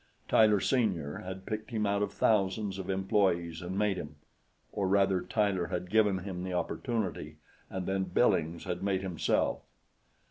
Tyler, Sr., had picked him out of thousands of employees and made him; or rather Tyler had given him the opportunity, and then Billings had made himself.